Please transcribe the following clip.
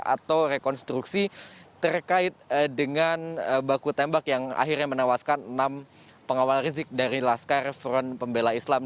atau rekonstruksi terkait dengan baku tembak yang akhirnya menewaskan enam pengawal rizik dari laskar front pembela islam